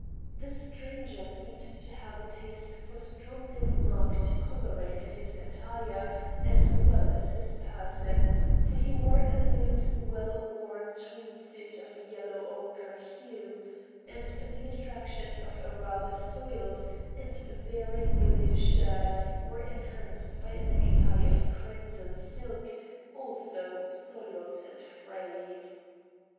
The stranger seemed to have a taste for strongly marked colouring in his attire as well as his person, for he wore a loose, well worn tweed suit of a yellow ochre hue, and the attractions of a rather soiled and very THE MAN FROM AFAR 33 blue shirt were enhanced by a necktie of crimson silk, also soiled and frayed.